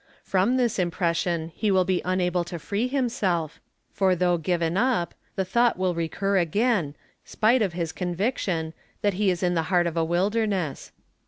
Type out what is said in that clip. From this impression he will be unable to free himself; for though given up, the thought will recur again, spite of his conviction, that he is in the heart of a wilderness.